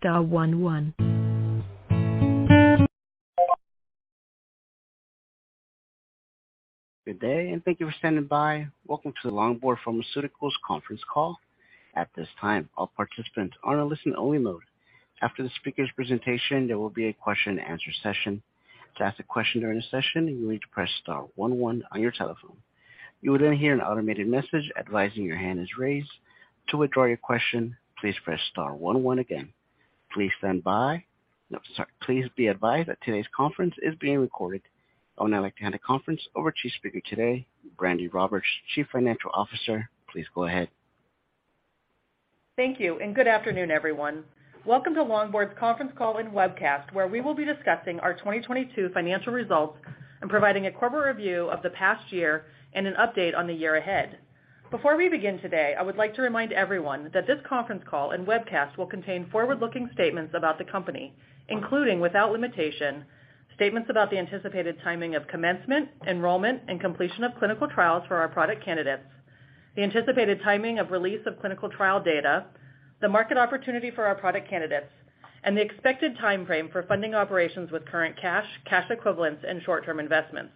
Good day. Thank you for standing by. Welcome to the Longboard Pharmaceuticals conference call. At this time, all participants are in a listen only mode. After the speaker's presentation, there will be a question and answer session. To ask a question during the session, you need to press star one one in your telephone. You will hear an automated message advising your hand is raised. To withdraw your question, please press star one one again. Please stand by. Please be advised that today's conference is being recorded. I would now like to hand the conference over to speaker today, Brandi Roberts, Chief Financial Officer. Please go ahead. Thank you and good afternoon, everyone. Welcome to Longboard's conference call and webcast, where we will be discussing our 2022 financial results and providing a corporate review of the past year and an update on the year ahead. Before we begin today, I would like to remind everyone that this conference call and webcast will contain forward-looking statements about the company, including, without limitation, statements about the anticipated timing of commencement, enrollment, and completion of clinical trials for our product candidates, the anticipated timing of release of clinical trial data, the market opportunity for our product candidates, and the expected timeframe for funding operations with current cash equivalents, and short-term investments.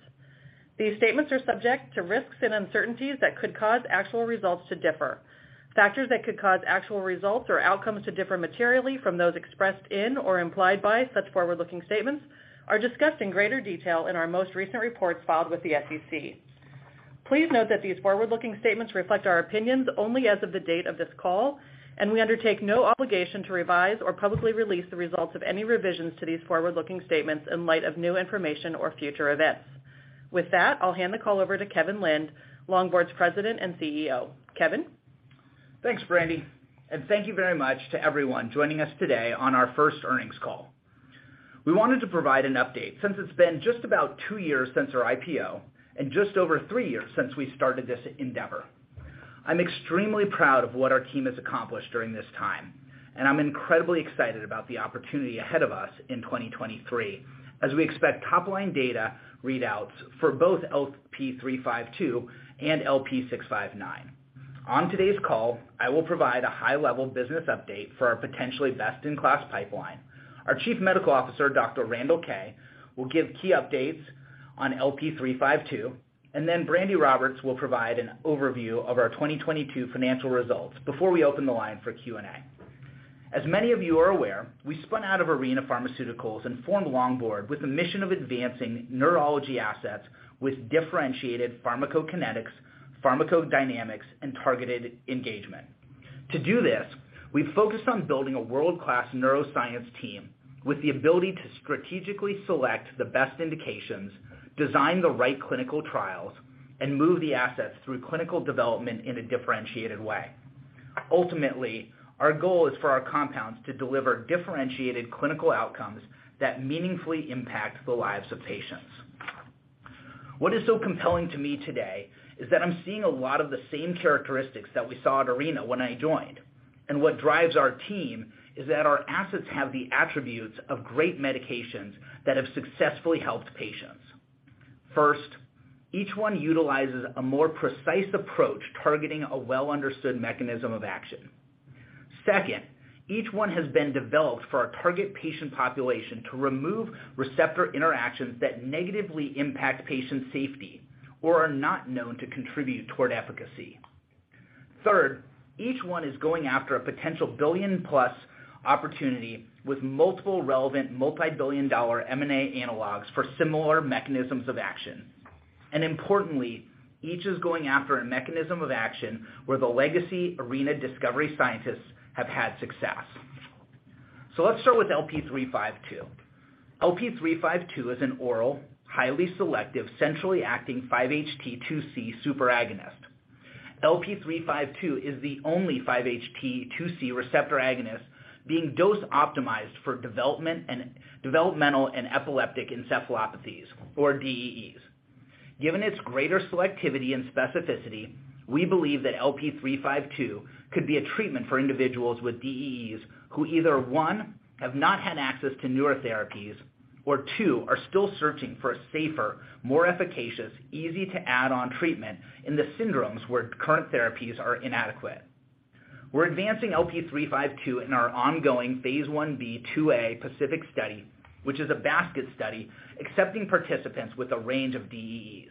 These statements are subject to risks and uncertainties that could cause actual results to differ. Factors that could cause actual results or outcomes to differ materially from those expressed in or implied by such forward-looking statements are discussed in greater detail in our most recent reports filed with the SEC. Please note that these forward-looking statements reflect our opinions only as of the date of this call, and we undertake no obligation to revise or publicly release the results of any revisions to these forward-looking statements in light of new information or future events. With that, I'll hand the call over to Kevin Lind, Longboard's President and CEO. Kevin? Thanks, Brandi. Thank you very much to everyone joining us today on our first earnings call. We wanted to provide an update since it's been just about two years since our IPO and just over three years since we started this endeavor. I'm extremely proud of what our team has accomplished during this time, and I'm incredibly excited about the opportunity ahead of us in 2023 as we expect top-line data readouts for both LP352 and LP659. On today's call, I will provide a high-level business update for our potentially best-in-class pipeline. Our Chief Medical Officer, Dr. Randall Kaye, will give key updates on LP352, and then Brandi Roberts will provide an overview of our 2022 financial results before we open the line for Q&A. As many of you are aware, we spun out of Arena Pharmaceuticals and formed Longboard with the mission of advancing neurology assets with differentiated pharmacokinetics, pharmacodynamics, and targeted engagement. To do this, we focused on building a world-class neuroscience team with the ability to strategically select the best indications, design the right clinical trials, and move the assets through clinical development in a differentiated way. Ultimately, our goal is for our compounds to deliver differentiated clinical outcomes that meaningfully impact the lives of patients. What is so compelling to me today is that I'm seeing a lot of the same characteristics that we saw at Arena when I joined. What drives our team is that our assets have the attributes of great medications that have successfully helped patients. First, each one utilizes a more precise approach, targeting a well-understood mechanism of action. Second, each one has been developed for a target patient population to remove receptor interactions that negatively impact patient safety or are not known to contribute toward efficacy. Third, each one is going after a potential billion+ opportunity with multiple relevant multi-billion dollar M&A analogs for similar mechanisms of action. Importantly, each is going after a mechanism of action where the legacy Arena discovery scientists have had success. Let's start with LP352. LP352 is an oral, highly selective, centrally acting 5-HT2C superagonist. LP352 is the only 5-HT2C receptor agonist being dose optimized for Developmental and Epileptic Encephalopathies, or DEEs. Given its greater selectivity and specificity, we believe that LP352 could be a treatment for individuals with DEEs who either, 1, have not had access to newer therapies or, 2, are still searching for a safer, more efficacious, easy to add on treatment in the syndromes where current therapies are inadequate. We're advancing LP352 in our ongoing Phase 1b/2a PACIFIC study, which is a basket study accepting participants with a range of DEEs.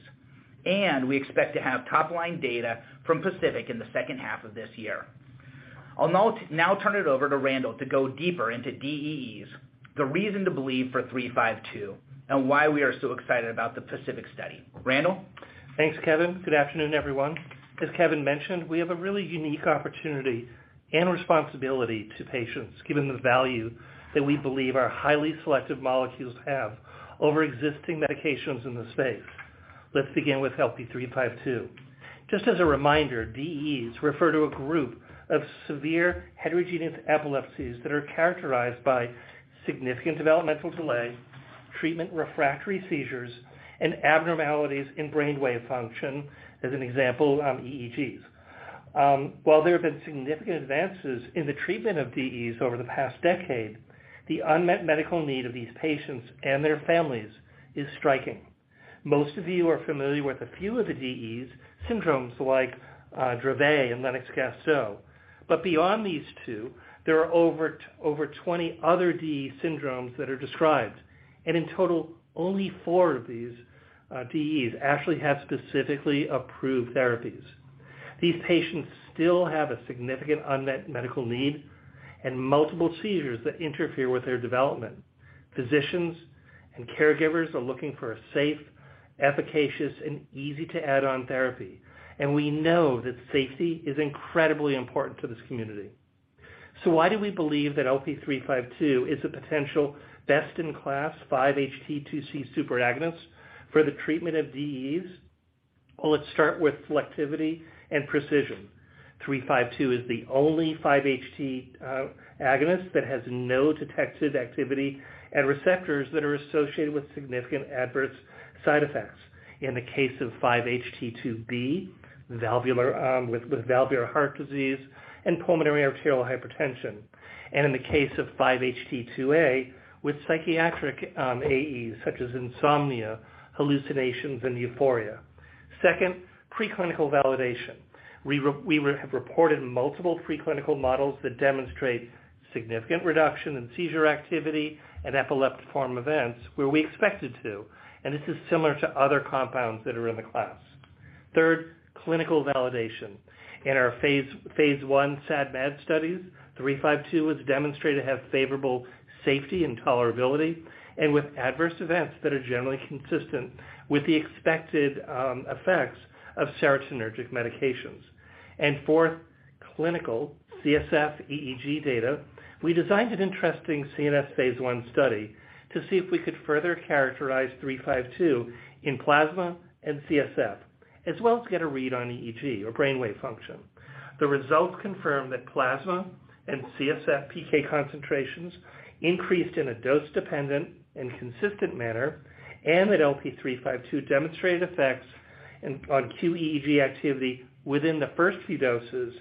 We expect to have top-line data from PACIFIC in the second half of this year. I'll now turn it over to Randall to go deeper into DEEs, the reason to believe for 352, and why we are so excited about the PACIFIC study. Randall? Thanks, Kevin. Good afternoon, everyone. As Kevin mentioned, we have a really unique opportunity and responsibility to patients, given the value that we believe our highly selective molecules have over existing medications in the space. Let's begin with LP352. Just as a reminder, DEEs refer to a group of severe heterogeneous epilepsies that are characterized by significant developmental delay, treatment refractory seizures, and abnormalities in brainwave function, as an example, EEGs. While there have been significant advances in the treatment of DEEs over the past decade, the unmet medical need of these patients and their families is striking. Most of you are familiar with a few of the DEEs, syndromes like Dravet and Lennox-Gastaut. Beyond these two, there are over 20 other DEE syndromes that are described. In total, only four of these DEEs actually have specifically approved therapies. These patients still have a significant unmet medical need and multiple seizures that interfere with their development. Physicians and caregivers are looking for a safe, efficacious, and easy-to-add-on therapy, and we know that safety is incredibly important to this community. Why do we believe that LP352 is a potential best-in-class 5-HT2C superagonist for the treatment of DEEs? Let's start with selectivity and precision. 352 is the only 5-HT agonist that has no detected activity at receptors that are associated with significant adverse side effects. In the case of 5-HT2B, with valvular heart disease and pulmonary arterial hypertension. In the case of 5-HT2A with psychiatric AEs such as insomnia, hallucinations, and euphoria. Second, preclinical validation. We have reported multiple preclinical models that demonstrate significant reduction in seizure activity and epileptiform events where we expect it to, and this is similar to other compounds that are in the class. Third, clinical validation. In our phase 1 SAD MAD studies, LP352 was demonstrated to have favorable safety and tolerability, and with adverse events that are generally consistent with the expected effects of serotonergic medications. Fourth, clinical CSF EEG data. We designed an interesting CNS phase 1 study to see if we could further characterize LP352 in plasma and CSF, as well as get a read on EEG or brainwave function. The results confirm that plasma and CSF PK concentrations increased in a dose-dependent and consistent manner, that LP352 demonstrated effects on QEEG activity within the first few doses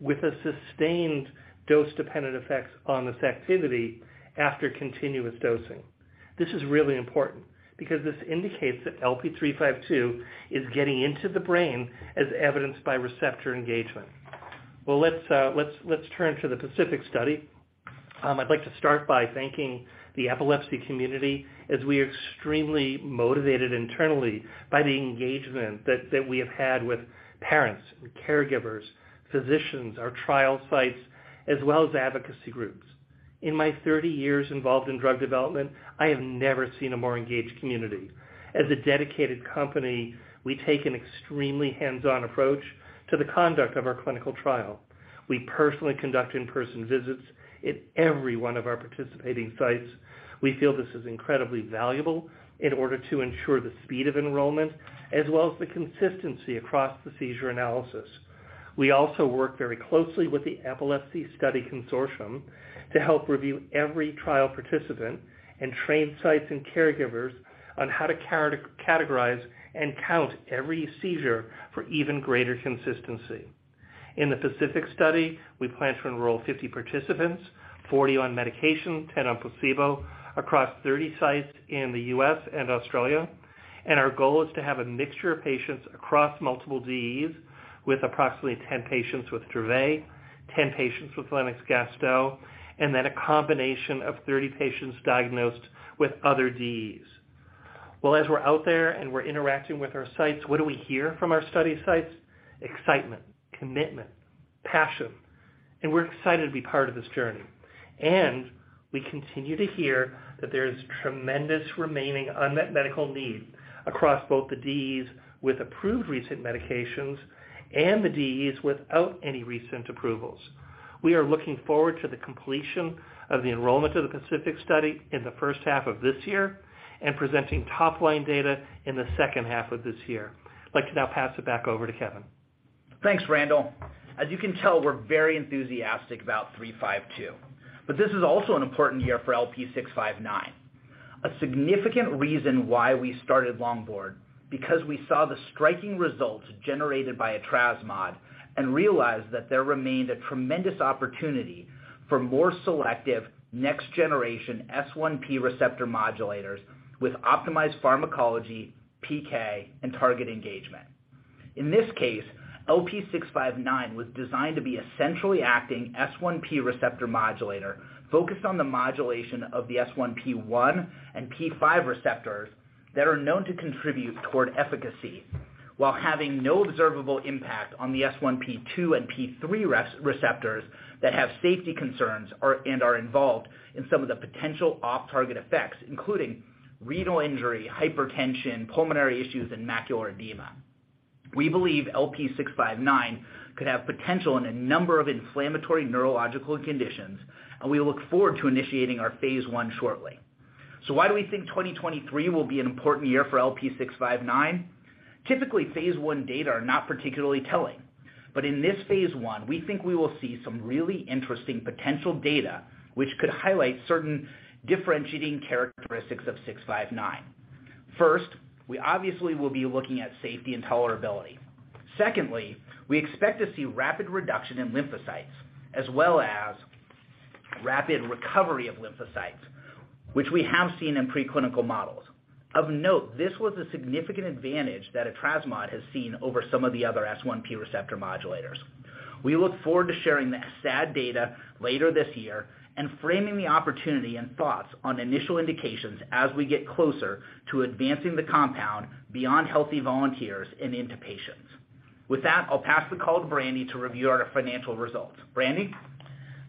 with a sustained dose-dependent effects on this activity after continuous dosing. This is really important because this indicates that LP352 is getting into the brain as evidenced by receptor engagement. Well, let's turn to the PACIFIC study. I'd like to start by thanking the epilepsy community as we are extremely motivated internally by the engagement that we have had with parents, caregivers, physicians, our trial sites, as well as advocacy groups. In my 30 years involved in drug development, I have never seen a more engaged community. As a dedicated company, we take an extremely hands-on approach to the conduct of our clinical trial. We personally conduct in-person visits in every one of our participating sites. We feel this is incredibly valuable in order to ensure the speed of enrollment as well as the consistency across the seizure analysis. We also work very closely with the Epilepsy Study Consortium to help review every trial participant and train sites and caregivers on how to categorize and count every seizure for even greater consistency. In the PACIFIC study, we plan to enroll 50 participants, 40 on medication, 10 on placebo, across 30 sites in the U.S. and Australia. Our goal is to have a mixture of patients across multiple DEEs with approximately 10 patients with Dravet, 10 patients with Lennox-Gastaut, and then a combination of 30 patients diagnosed with other DEEs. Well, as we're out there and we're interacting with our sites, what do we hear from our study sites? Excitement, commitment, passion, and we're excited to be part of this journey. We continue to hear that there's tremendous remaining unmet medical need across both the DEEs with approved recent medications and the DEEs without any recent approvals. We are looking forward to the completion of the enrollment of the PACIFIC study in the first half of this year and presenting top-line data in the second half of this year. I'd like to now pass it back over to Kevin. Thanks, Randall. As you can tell, we're very enthusiastic about 352. This is also an important year for LP659. A significant reason why we started Longboard, because we saw the striking results generated by etrasimod and realized that there remained a tremendous opportunity for more selective next-generation S1P receptor modulators with optimized pharmacology, PK, and target engagement. In this case, LP659 was designed to be a centrally acting S1P receptor modulator focused on the modulation of the S1P1 and S1P5 receptors that are known to contribute toward efficacy while having no observable impact on the S1P2 and S1P3 receptors that have safety concerns and are involved in some of the potential off-target effects, including renal injury, hypertension, pulmonary issues, and macular edema. We believe LP659 could have potential in a number of inflammatory neurological conditions. We look forward to initiating our Phase 1 shortly. Why do we think 2023 will be an important year for LP659? Typically, Phase 1 data are not particularly telling. In this Phase 1, we think we will see some really interesting potential data which could highlight certain differentiating characteristics of 659. First, we obviously will be looking at safety and tolerability. Secondly, we expect to see rapid reduction in lymphocytes as well as rapid recovery of lymphocytes, which we have seen in preclinical models. Of note, this was a significant advantage that etrasimod has seen over some of the other S1P receptor modulators. We look forward to sharing the SAD data later this year and framing the opportunity and thoughts on initial indications as we get closer to advancing the compound beyond healthy volunteers and into patients. With that, I'll pass the call to Brandi to review our financial results. Brandi?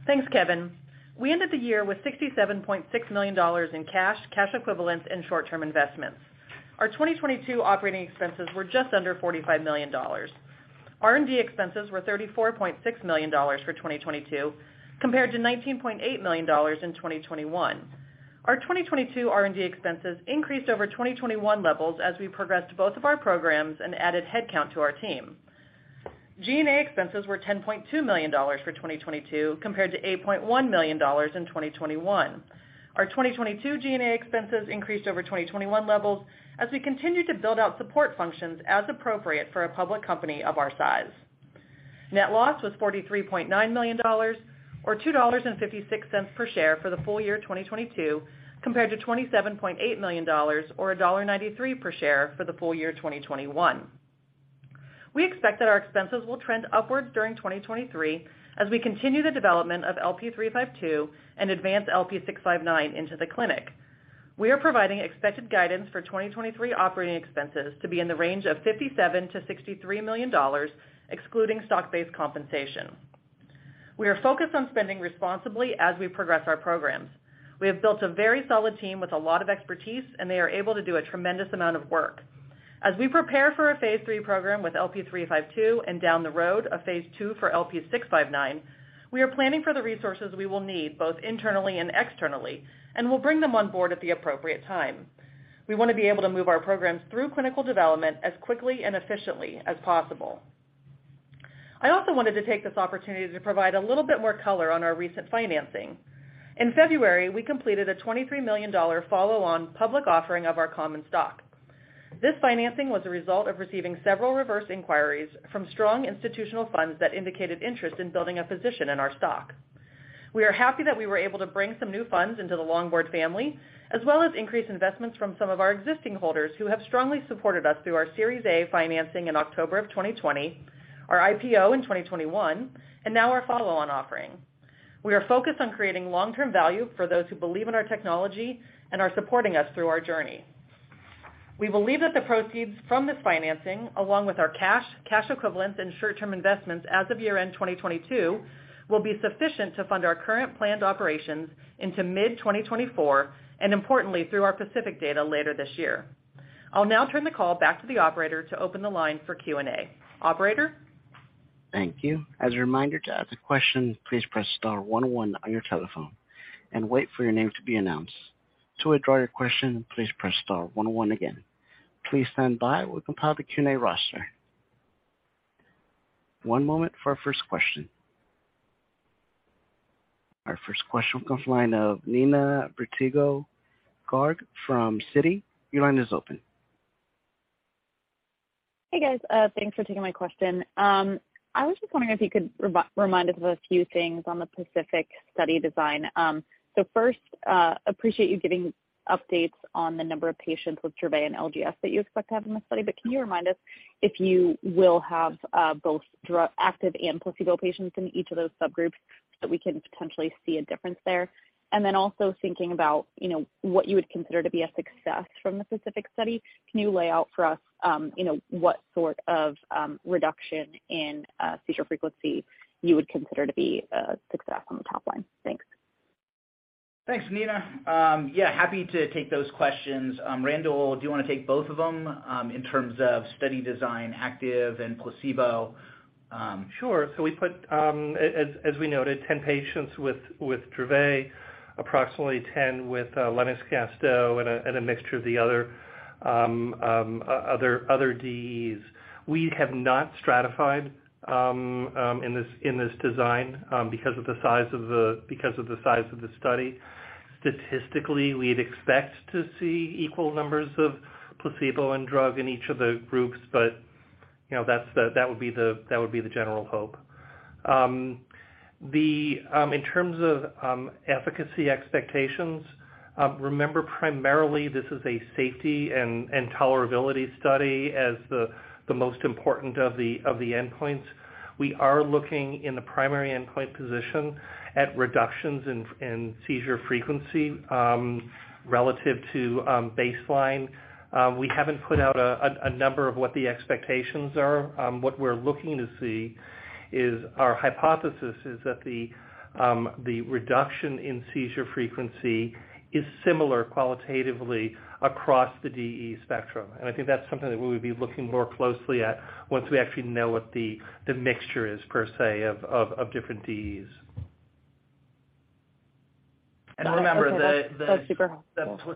Thanks, Kevin. We ended the year with $67.6 million in cash equivalents, and short-term investments. Our 2022 operating expenses were just under $45 million. R&D expenses were $34.6 million for 2022 compared to $19.8 million in 2021. Our 2022 R&D expenses increased over 2021 levels as we progressed both of our programs and added headcount to our team. G&A expenses were $10.2 million for 2022 compared to $8.1 million in 2021. Our 2022 G&A expenses increased over 2021 levels as we continued to build out support functions as appropriate for a public company of our size. Net loss was $43.9 million or $2.56 per share for the full year of 2022, compared to $27.8 million or $1.93 per share for the full year of 2021. We expect that our expenses will trend upwards during 2023 as we continue the development of LP352 and advance LP659 into the clinic. We are providing expected guidance for 2023 operating expenses to be in the range of $57 million-$63 million, excluding stock-based compensation. We are focused on spending responsibly as we progress our programs. We have built a very solid team with a lot of expertise, and they are able to do a tremendous amount of work. As we prepare for a phase 3 program with LP352 and down the road, a phase 2 for LP659, we are planning for the resources we will need both internally and externally, and we'll bring them on board at the appropriate time. We want to be able to move our programs through clinical development as quickly and efficiently as possible. I also wanted to take this opportunity to provide a little bit more color on our recent financing. In February, we completed a $23 million follow-on public offering of our common stock. This financing was a result of receiving several reverse inquiries from strong institutional funds that indicated interest in building a position in our stock. We are happy that we were able to bring some new funds into the Longboard family, as well as increase investments from some of our existing holders who have strongly supported us through our Series A financing in October of 2020, our IPO in 2021, and now our follow-on offering. We are focused on creating long-term value for those who believe in our technology and are supporting us through our journey. We believe that the proceeds from this financing, along with our cash equivalents, and short-term investments as of year-end 2022, will be sufficient to fund our current planned operations into mid-2024 and importantly through our PACIFIC data later this year. I'll now turn the call back to the operator to open the line for Q&A. Operator? Thank you. As a reminder, to ask a question, please press star one one on your telephone and wait for your name to be announced. To withdraw your question, please press star one one again. Please stand by. We'll compile the Q&A roster. One moment for our first question. Our first question comes line of Neena Bitritto-Garg from Citi. Your line is open. Hey, guys. Thanks for taking my question. I was just wondering if you could remind us of a few things on the PACIFIC study design. First, appreciate you giving updates on the number of patients with Dravet and LGS that you expect to have in the study. Can you remind us if you will have both active and placebo patients in each of those subgroups so that we can potentially see a difference there? Also thinking about, you know, what you would consider to be a success from the PACIFIC study. Can you lay out for us, you know, what sort of reduction in seizure frequency you would consider to be a success on the top line? Thanks. Thanks, Neena. Yeah, happy to take those questions. Randall, do you want to take both of them, in terms of study design, active and placebo? Sure. We put, as we noted, 10 patients with Dravet, approximately 10 with Lennox-Gastaut and a mixture of the other DEEs. We have not stratified in this design because of the size of the study. Statistically, we'd expect to see equal numbers of placebo and drug in each of the groups, you know, that would be the general hope. The in terms of efficacy expectations, remember primarily this is a safety and tolerability study as the most important of the endpoints. We are looking in the primary endpoint position at reductions in seizure frequency relative to baseline. We haven't put out a number of what the expectations are. What we're looking to see is our hypothesis is that the reduction in seizure frequency is similar qualitatively across the DEE spectrum. I think that's something that we would be looking more closely at once we actually know what the mixture is per se of different DEEs. Remember. Okay. That's super helpful.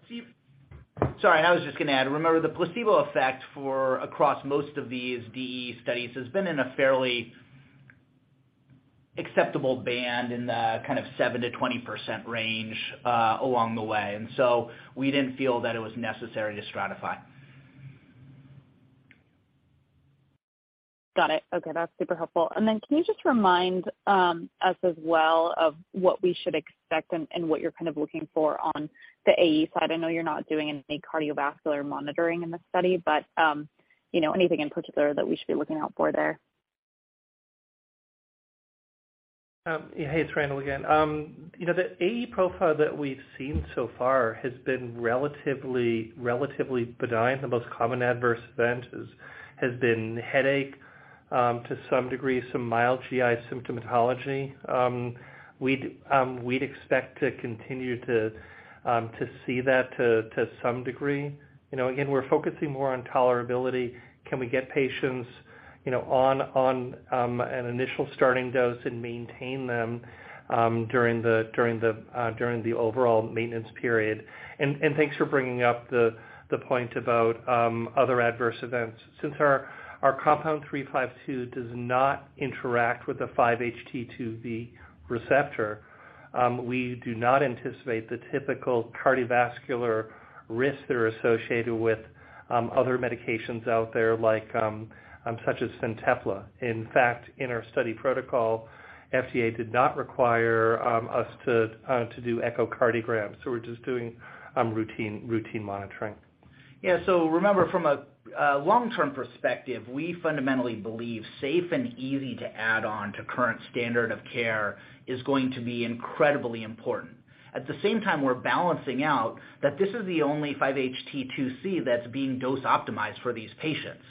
Sorry, I was just gonna add, remember the placebo effect for across most of these DEE studies has been in a fairly acceptable band in the kind of 7%- 20% range along the way. We didn't feel that it was necessary to stratify. Got it. Okay, that's super helpful. Then can you just remind us as well of what we should expect and what you're kind of looking for on the AE side? I know you're not doing any cardiovascular monitoring in this study, but, you know, anything in particular that we should be looking out for there? Yeah. Hey, it's Randall again. You know, the AE profile that we've seen so far has been relatively benign. The most common adverse event has been headache, to some degree, some mild GI symptomatology. We'd expect to continue to see that to some degree. You know, again, we're focusing more on tolerability. Can we get patients, you know, on an initial starting dose and maintain them during the overall maintenance period? Thanks for bringing up the point about other adverse events. Since our compound LP352 does not interact with the 5-HT2B receptor, we do not anticipate the typical cardiovascular risks that are associated with other medications out there like such as FINTEPLA. In fact, in our study protocol, FDA did not require us to do echocardiograms, so we're just doing routine monitoring. Remember from a long-term perspective, we fundamentally believe safe and easy to add on to current standard of care is going to be incredibly important. At the same time, we're balancing out that this is the only 5-HT2C that's being dose optimized for these patients.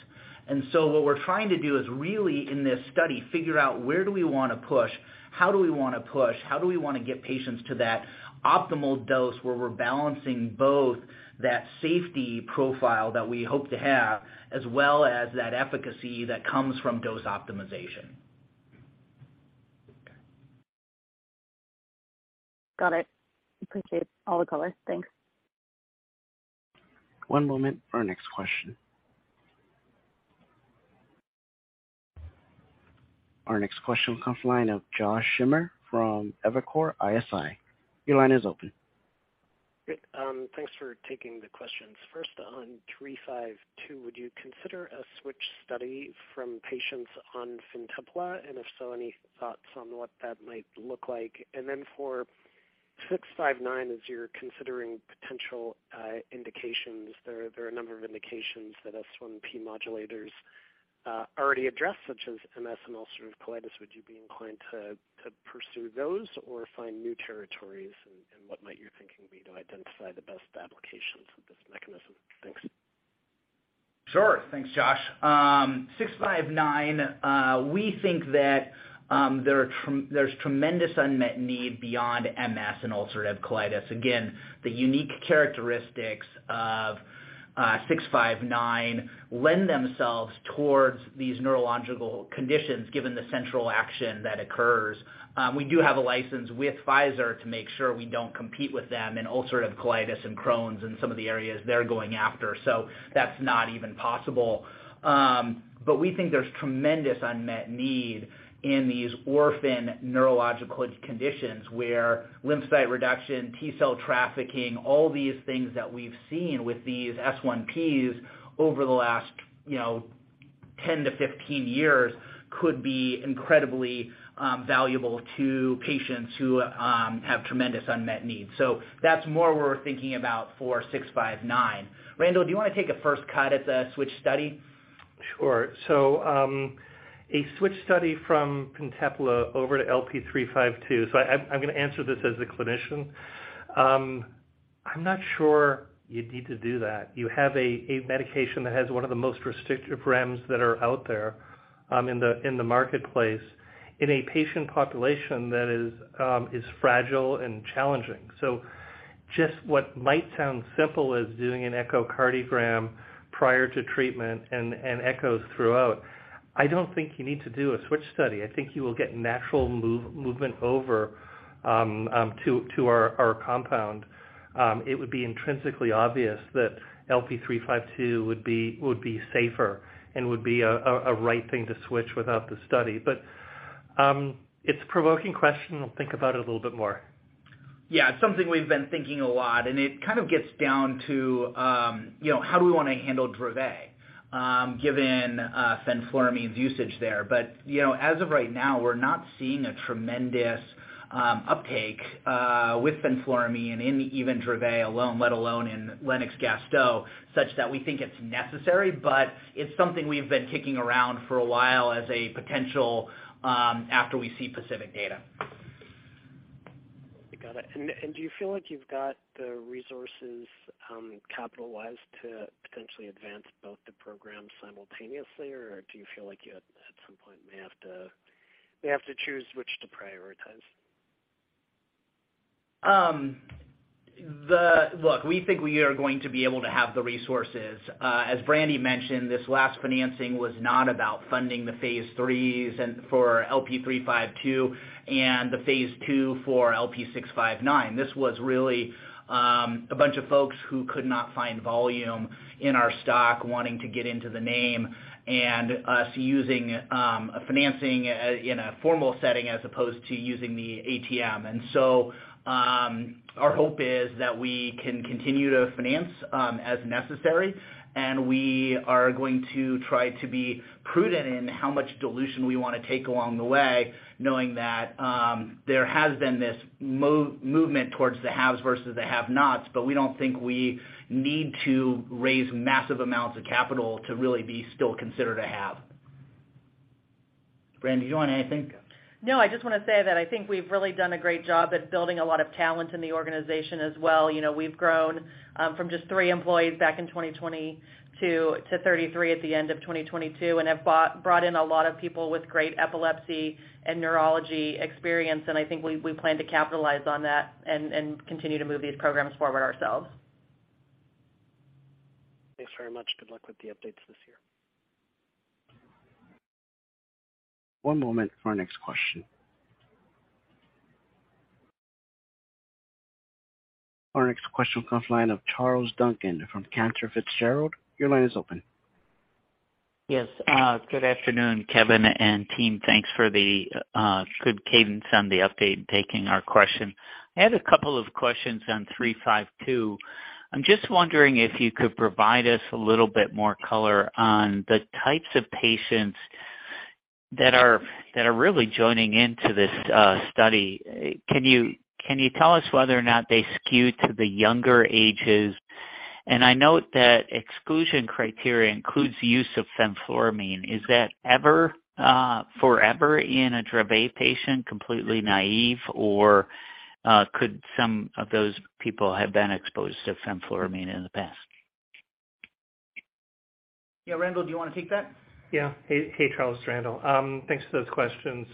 What we're trying to do is really in this study, figure out where do we wanna push, how do we wanna push, how do we wanna get patients to that optimal dose where we're balancing both that safety profile that we hope to have, as well as that efficacy that comes from dose optimization. Got it. Appreciate all the color. Thanks. One moment for our next question. Our next question comes line of Josh Schimmer from Evercore ISI. Your line is open. Great. Thanks for taking the questions. First on LP352, would you consider a switch study from patients on FINTEPLA, and if so, any thoughts on what that might look like? For LP659, as you're considering potential indications, there are a number of indications that S1P modulators already address such as MS and ulcerative colitis. Would you be inclined to pursue those or find new territories and what might your thinking be to identify the best applications of this mechanism? Thanks. Sure. Thanks, Josh. We think that there's tremendous unmet need beyond MS and ulcerative colitis. Again, the unique characteristics of LP659 lend themselves towards these neurological conditions given the central action that occurs. We do have a license with Pfizer to make sure we don't compete with them in ulcerative colitis and Crohn's and some of the areas they're going after. That's not even possible. But we think there's tremendous unmet need in these orphan neurological conditions where lymphocyte reduction, T-cell trafficking, all these things that we've seen with these S1Ps over the last, you know, 10-15 years could be incredibly valuable to patients who have tremendous unmet needs. That's more what we're thinking about for LP659. Randall, do you wanna take a first cut at the switch study? Sure. A switch study from FINTEPLA over to LP352. I'm gonna answer this as a clinician. I'm not sure you need to do that. You have a medication that has one of the most restrictive REMS that are out there in the marketplace in a patient population that is fragile and challenging. Just what might sound simple as doing an echocardiogram prior to treatment and echoes throughout, I don't think you need to do a switch study. I think you will get natural movement over to our compound. It would be intrinsically obvious that LP352 would be safer and would be a right thing to switch without the study. It's a provoking question. I'll think about it a little bit ymore. It's something we've been thinking a lot, and it kind of gets down to, you know, how do we want to handle Dravet, given fenfluramine's usage there. You know, as of right now, we're not seeing a tremendous uptake with fenfluramine in even Dravet alone, let alone in Lennox-Gastaut, such that we think it's necessary, but it's something we've been kicking around for a while as a potential after we see PACIFIC data. Got it. And do you feel like you've got the resources, capitalized to potentially advance both the programs simultaneously, or do you feel like you at some point may have to choose which to prioritize? Look, we think we are going to be able to have the resources. As Brandi mentioned, this last financing was not about funding the phase 3 and for LP352 and the phase 2 for LP659. This was really a bunch of folks who could not find volume in our stock wanting to get into the name and us using Financing in a formal setting as opposed to using the ATM. Our hope is that we can continue to finance as necessary, and we are going to try to be prudent in how much dilution we wanna take along the way, knowing that there has been this movement towards the haves versus the have-nots. We don't think we need to raise massive amounts of capital to really be still considered a have. Brandi, do you want anything? No, I just wanna say that I think we've really done a great job at building a lot of talent in the organization as well. You know, we've grown from just three employees back in 2020 to 33 at the end of 2022, and have brought in a lot of people with great epilepsy and neurology experience. I think we plan to capitalize on that and continue to move these programs forward ourselves. Thanks very much. Good luck with the updates this year. One moment for our next question. Our next question comes line of Charles Duncan from Cantor Fitzgerald. Your line is open. Yes. Good afternoon, Kevin and team. Thanks for the good cadence on the update and taking our question. I had a couple of questions on LP352. I'm just wondering if you could provide us a little bit more color on the types of patients that are really joining into this study. Can you tell us whether or not they skew to the younger ages? I note that exclusion criteria includes use of fenfluramine. Is that ever forever in a Dravet patient, completely naive, or could some of those people have been exposed to fenfluramine in the past? Yeah. Randall, do you wanna take that? Yeah. Hey, Charles. Randall. Thanks for those questions.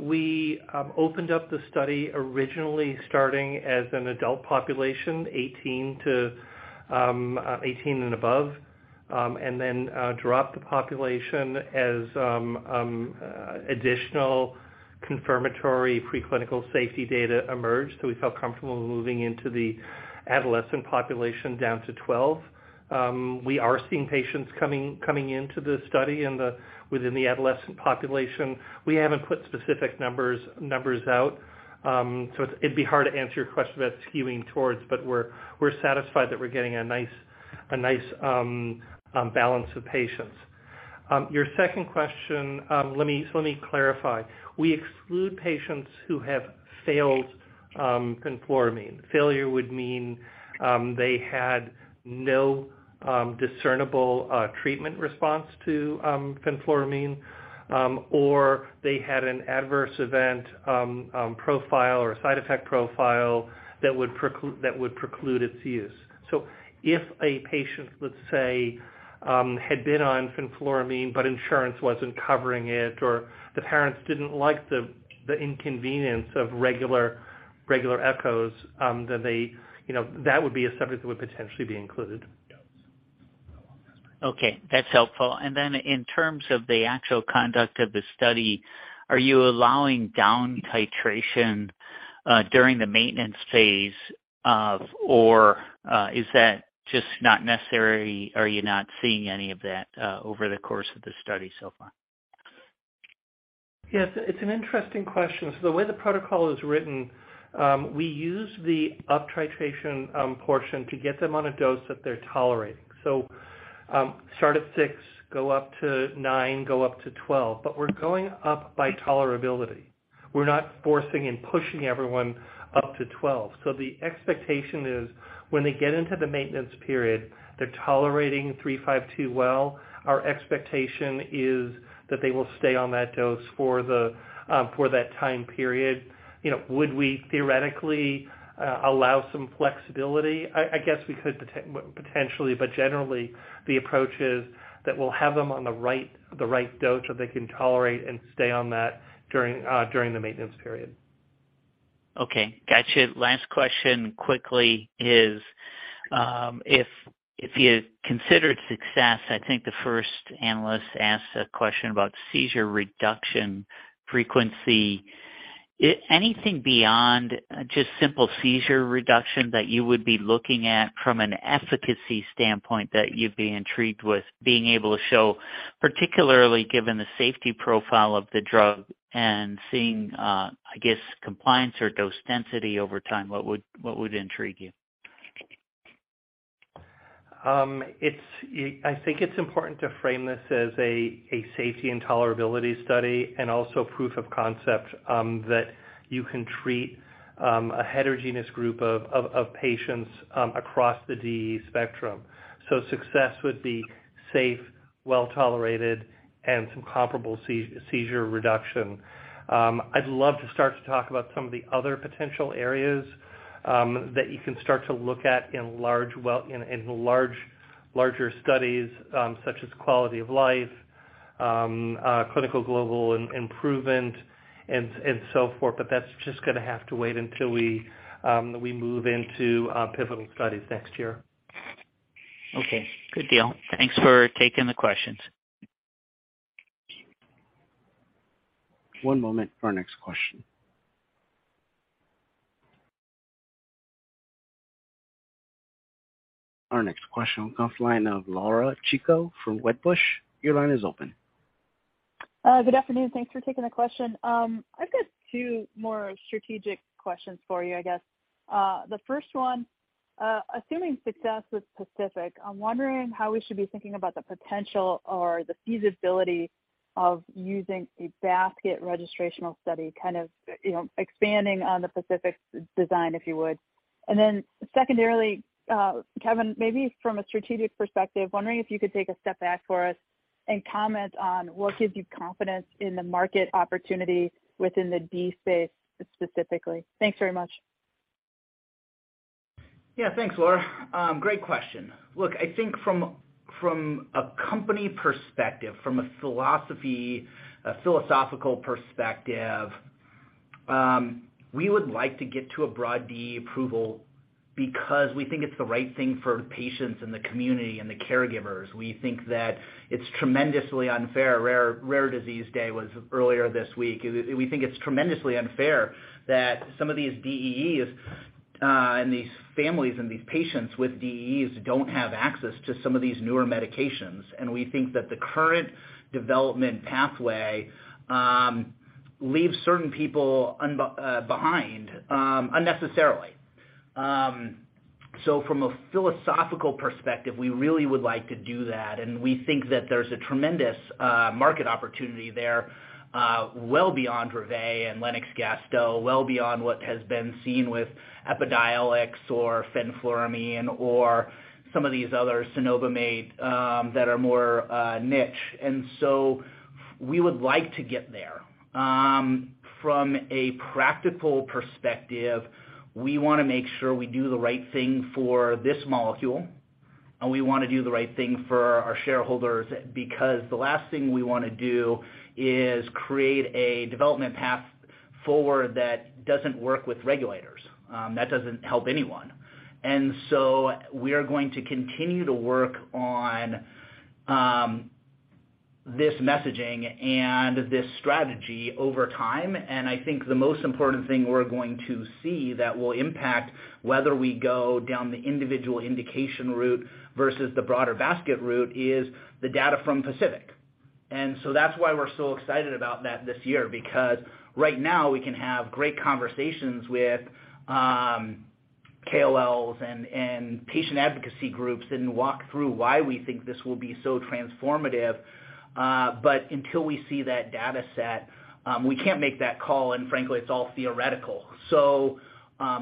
We opened up the study originally starting as an adult population, 18-18 and above, dropped the population as additional confirmatory preclinical safety data emerged. We felt comfortable moving into the adolescent population down to 12. We are seeing patients coming into the study within the adolescent population. We haven't put specific numbers out. It'd be hard to answer your question about skewing towards, but we're satisfied that we're getting a nice balance of patients. Your second question, let me clarify. We exclude patients who have failed fenfluramine. Failure would mean they had no discernible treatment response to fenfluramine, or they had an adverse event profile or side effect profile that would preclude its use. If a patient, let's say, had been on fenfluramine but insurance wasn't covering it or the parents didn't like the inconvenience of regular echoes, they, you know, that would be a subject that would potentially be included. Okay. That's helpful. In terms of the actual conduct of the study, are you allowing down titration during the maintenance phase or is that just not necessary? Are you not seeing any of that over the course of the study so far? Yes. It's an interesting question. The way the protocol is written, we use the uptitration portion to get them on a dose that they're tolerating. Start at six, go up to nine, go up to 12. We're going up by tolerability. We're not forcing and pushing everyone up to 12. The expectation is when they get into the maintenance period, they're tolerating LP352 well, our expectation is that they will stay on that dose for the for that time period. You know, would we theoretically allow some flexibility? I guess we could potentially. Generally, the approach is that we'll have them on the right, the right dose so they can tolerate and stay on that during the maintenance period. Okay. Gotcha. Last question quickly is, if you considered success, I think the first analyst asked a question about seizure reduction frequency. Anything beyond just simple seizure reduction that you would be looking at from an efficacy standpoint that you'd be intrigued with being able to show, particularly given the safety profile of the drug and seeing, I guess compliance or dose density over time, what would intrigue you? I think it's important to frame this as a safety and tolerability study and also proof of concept that you can treat a heterogeneous group of patients across the DE spectrum. Success would be safe, well-tolerated, and some comparable seizure reduction. I'd love to start to talk about some of the other potential areas that you can start to look at in large, larger studies such as quality of life, clinical global improvement and so forth. That's just gonna have to wait until we move into pivotal studies next year. Okay. Good deal. Thanks for taking the questions. One moment for our next question. Our next question comes line of Laura Chico from Wedbush. Your line is open. Good afternoon. Thanks for taking the question. I've got two more strategic questions for you, I guess. The first one, assuming success with PACIFIC, I'm wondering how we should be thinking about the potential or the feasibility of using a basket registrational study, kind of, you know, expanding on the PACIFIC's design, if you would. Secondarily, Kevin, maybe from a strategic perspective, wondering if you could take a step back for us and comment on what gives you confidence in the market opportunity within the DEEs space, specifically. Thanks very much. Yeah. Thanks, Laura. Great question. Look, I think from a company perspective, from a philosophical perspective, we would like to get to a broad DE approval because we think it's the right thing for patients and the community and the caregivers. We think that it's tremendously unfair. Rare Disease Day was earlier this week. We think it's tremendously unfair that some of these DEEs, and these families and these patients with DEEs don't have access to some of these newer medications. We think that the current development pathway leaves certain people behind unnecessarily. From a philosophical perspective, we really would like to do that, and we think that there's a tremendous market opportunity there, well beyond Dravet and Lennox-Gastaut, well beyond what has been seen with EPIDIOLEX or fenfluramine or some of these other cenobamate, that are more niche. We would like to get there. From a practical perspective, we wanna make sure we do the right thing for this molecule, and we wanna do the right thing for our shareholders because the last thing we wanna do is create a development path forward that doesn't work with regulators. That doesn't help anyone. We are going to continue to work on this messaging and this strategy over time. I think the most important thing we're going to see that will impact whether we go down the individual indication route versus the broader basket route is the data from PACIFIC. That's why we're so excited about that this year, because right now we can have great conversations with KOLs and patient advocacy groups and walk through why we think this will be so transformative. Until we see that data set, we can't make that call, and frankly, it's all theoretical.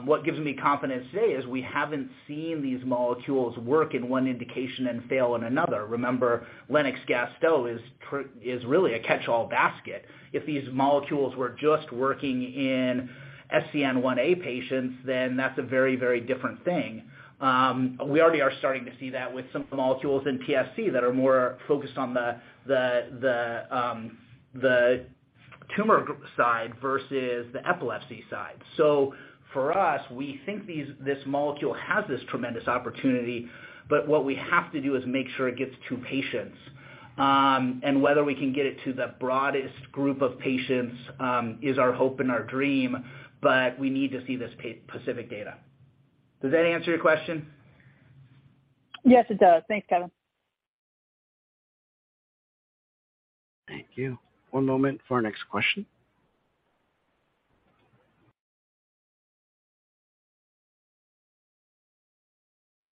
What gives me confidence today is we haven't seen these molecules work in one indication and fail in another. Remember, Lennox-Gastaut is really a catch-all basket. If these molecules were just working in SCN1A patients, then that's a very, very different thing. We already are starting to see that with some of the molecules in TSC that are more focused on the tumor side versus the epilepsy side. For us, we think this molecule has this tremendous opportunity, but what we have to do is make sure it gets to patients. Whether we can get it to the broadest group of patients is our hope and our dream, but we need to see this PACIFIC data. Does that answer your question? Yes, it does. Thanks, Kevin. Thank you. One moment for our next question.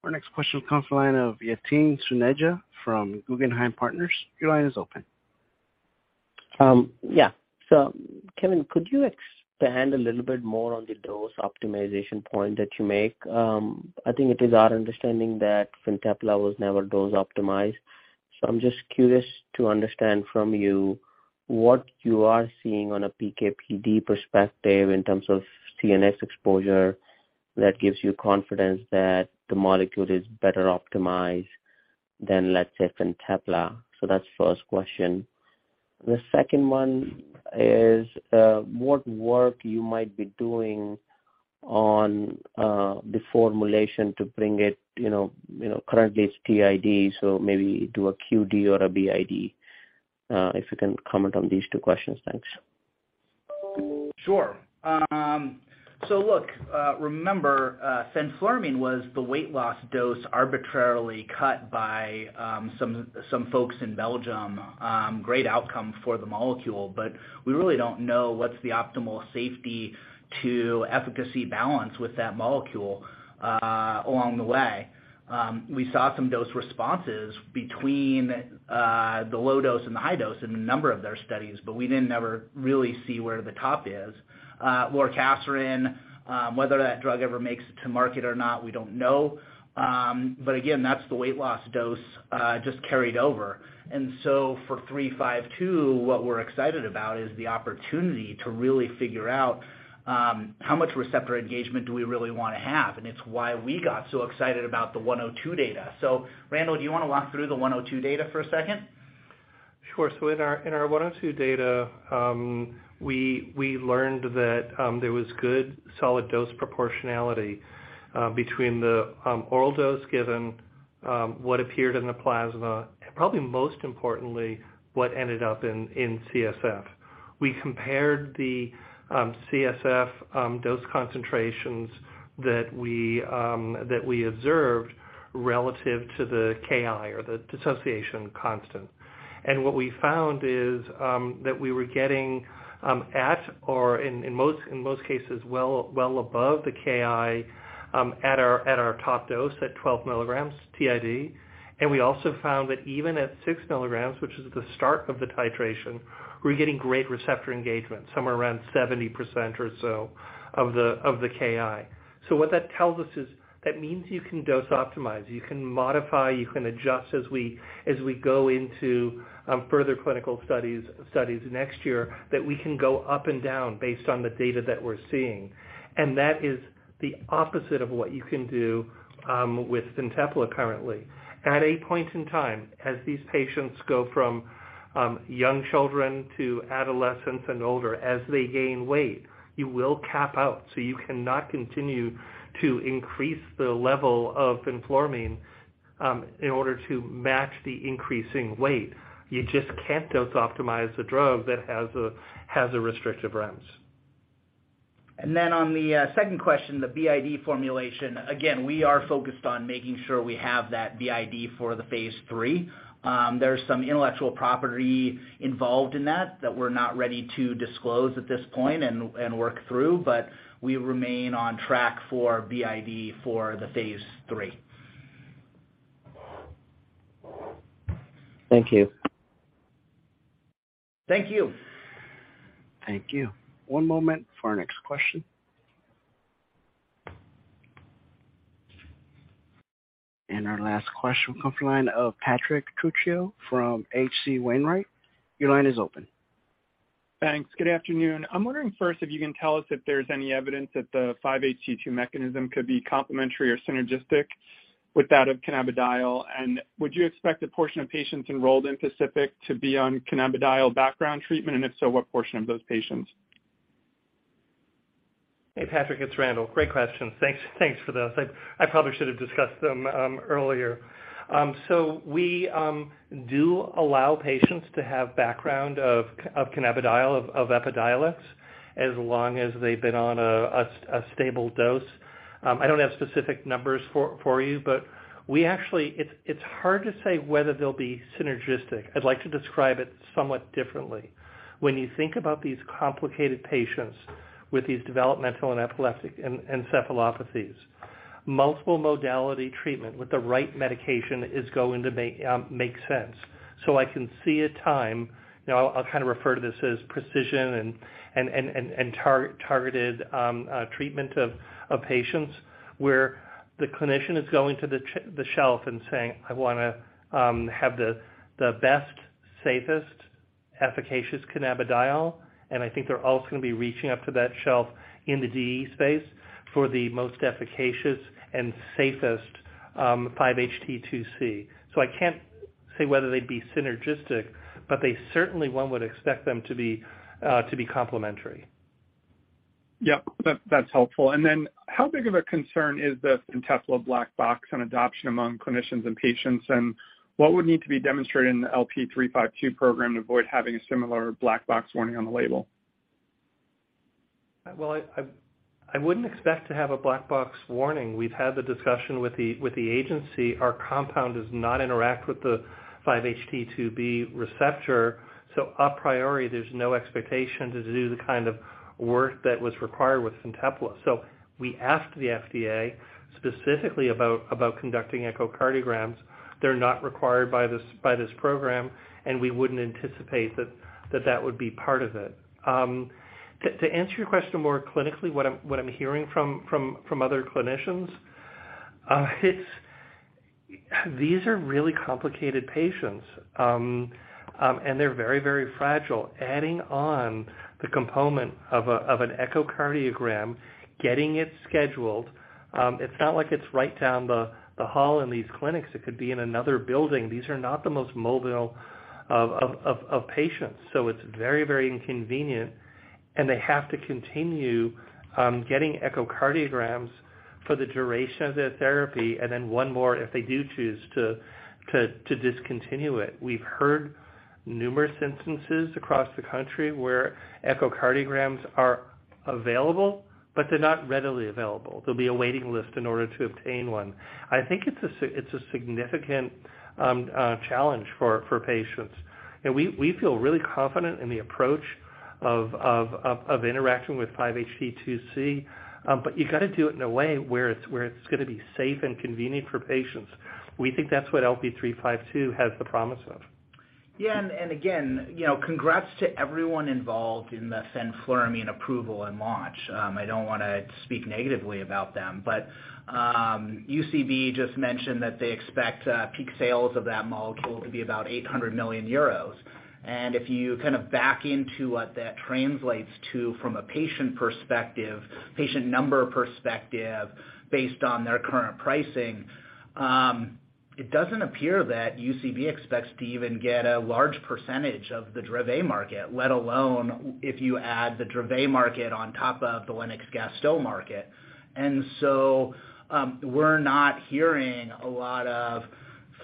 Our next question comes from the line of Yatin Suneja from Guggenheim Partners. Your line is open. Yeah. Kevin, could you expand a little bit more on the dose optimization point that you make? I think it is our understanding that FINTEPLA was never dose optimized. I'm just curious to understand from you what you are seeing on a PK/PD perspective in terms of CNS exposure that gives you confidence that the molecule is better optimized than, let's say, FINTEPLA. That's first question. The second one is what work you might be doing on the formulation to bring it, you know, currently it's TID, so maybe do a QD or a BID. If you can comment on these two questions. Thanks. Sure. Look, remember, fenfluramine was the weight loss dose arbitrarily cut by some folks in Belgium. Great outcome for the molecule, but we really don't know what's the optimal safety to efficacy balance with that molecule along the way. We saw some dose responses between the low dose and the high dose in a number of their studies, but we didn't ever really see where the top is. Lorcaserin, whether that drug ever makes it to market or not, we don't know. But again, that's the weight loss dose just carried over. For 352, what we're excited about is the opportunity to really figure out how much receptor engagement do we really wanna have, and it's why we got so excited about the 102 data. Randall, do you wanna walk through the 102 data for a second? Sure. In our 102 data, we learned that there was good solid dose proportionality between the oral dose given, what appeared in the plasma, and probably most importantly, what ended up in CSF. We compared the CSF dose concentrations that we observed relative to the Ki or the dissociation constant. What we found is that we were getting at or in most cases well above the Ki at our top dose at 12 mg tig. We also found that even at 6 mg which is the start of the titration, we're getting great receptor engagement, somewhere around 70% or so of the Ki. What that tells us is that means you can dose optimize, you can modify, you can adjust as we go into further clinical studies next year, that we can go up and down based on the data that we're seeing. That is the opposite of what you can do with FINTEPLA currently. At a point in time, as these patients go from young children to adolescents and older, as they gain weight, you will cap out, so you cannot continue to increase the level of fenfluramine in order to match the increasing weight. You just can't dose optimize the drug that has a restrictive range. On the second question, the BID formulation. Again, we are focused on making sure we have that BID for the phase 3. There's some intellectual property involved in that we're not ready to disclose at this point and work through, but we remain on track for BID for the phase 3. Thank you. Thank you. Thank you. One moment for our next question. Our last question comes from the line of Patrick Trucchio from H.C. Wainwright. Your line is open. Thanks. Good afternoon. I'm wondering first if you can tell us if there's any evidence that the 5-HT2 mechanism could be complementary or synergistic with that of cannabidiol. Would you expect a portion of patients enrolled in PACIFIC to be on cannabidiol background treatment? If so, what portion of those patients? Hey, Patrick, it's Randall. Great questions. Thanks for those. I probably should have discussed them earlier. We do allow patients to have background of cannabidiol, of EPIDIOLEX as long as they've been on a stable dose. I don't have specific numbers for you, but we actually. It's hard to say whether they'll be synergistic. I'd like to describe it somewhat differently. When you think about these complicated patients with these Developmental and Epileptic Encephalopathies, multiple modality treatment with the right medication is going to make sense. I can see a time, you know, I'll kind of refer to this as precision and targeted treatment of patients, where the clinician is going to the shelf and saying, "I wanna have the best, safest, efficacious cannabidiol." I think they're also gonna be reaching up to that shelf in the DEE space for the most efficacious and safest 5-HT2C. I can't say whether they'd be synergistic, but they certainly one would expect them to be to be complementary. Yep, that's helpful. How big of a concern is the FINTEPLA black box on adoption among clinicians and patients? What would need to be demonstrated in the LP352 program to avoid having a similar black box warning on the label? I wouldn't expect to have a black box warning. We've had the discussion with the agency. Our compound does not interact with the 5-HT2B receptor, a priori, there's no expectation to do the kind of work that was required with FINTEPLA. We asked the FDA specifically about conducting echocardiograms. They're not required by this program, and we wouldn't anticipate that that would be part of it. To answer your question more clinically, what I'm hearing from other clinicians, These are really complicated patients, and they're very, very fragile. Adding on the component of an echocardiogram, getting it scheduled, it's not like it's right down the hall in these clinics. It could be in another building. These are not the most mobile of patients. It's very, very inconvenient and they have to continue getting echocardiograms for the duration of their therapy and then one more if they do choose to discontinue it. We've heard numerous instances across the country where echocardiograms are available, but they're not readily available. There'll be a waiting list in order to obtain one. I think it's a significant challenge for patients. We feel really confident in the approach of interacting with 5-HT2C, but you gotta do it in a way where it's, where it's gonna be safe and convenient for patients. We think that's what LP352 has the promise of. Yeah. Again, you know, congrats to everyone involved in the fenfluramine approval and launch. I don't wanna speak negatively about them, but UCB just mentioned that they expect peak sales of that molecule to be about 800 million euros. If you kind of back into what that translates to from a patient perspective, patient number perspective based on their current pricing, it doesn't appear that UCB expects to even get a large percentage of the Dravet market, let alone if you add the Dravet market on top of the Lennox-Gastaut market. We're not hearing a lot of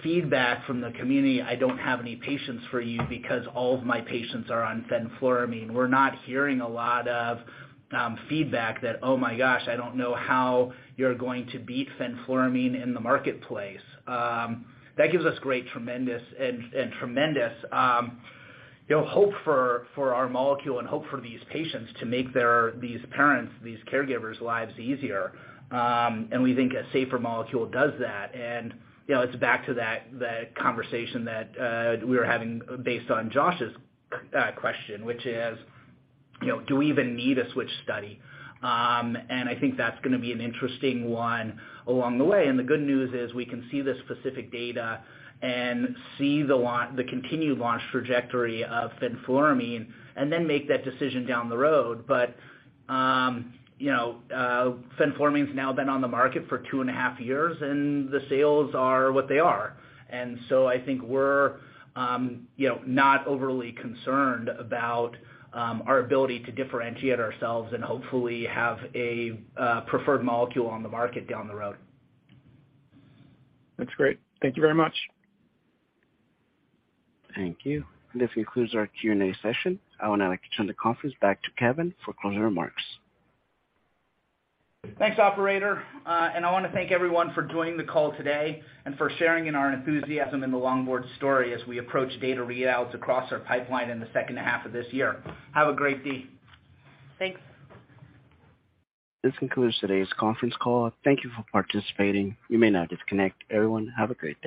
feedback from the community, "I don't have any patients for you because all of my patients are on fenfluramine." We're not hearing a lot of feedback that, "Oh my gosh, I don't know how you're going to beat fenfluramine in the marketplace." That gives us great, tremendous and tremendous, you know, hope for our molecule and hope for these patients to make these parents, these caregivers' lives easier. We think a safer molecule does that. You know, it's back to that conversation that we were having based on Josh's question, which is, you know, do we even need a switch study? I think that's gonna be an interesting one along the way. The good news is we can see the specific data and see the continued launch trajectory of fenfluramine and then make that decision down the road. You know, fenfluramine's now been on the market for years and the sales are what they are. I think we're, you know, not overly concerned about our ability to differentiate ourselves and hopefully have a preferred molecule on the market down the road. That's great. Thank you very much. Thank you. This concludes our Q&A session. I would now like to turn the conference back to Kevin for closing remarks. Thanks, operator. I wanna thank everyone for joining the call today and for sharing in our enthusiasm in the Longboard story as we approach data readouts across our pipeline in the second half of this year. Have a great day. Thanks. This concludes today's conference call. Thank you for participating. You may now disconnect. Everyone, have a great day.